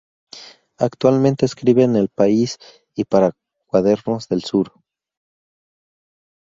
Actualmente escribe en El País y para Cuadernos del Sur.